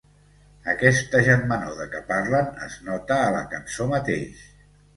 Aquesta germanor de què parlen es nota a la cançó mateix.